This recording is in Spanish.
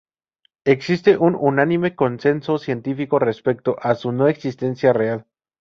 Existe un unánime consenso científico respecto a su no existencia real.